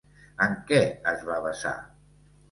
En què es va basar?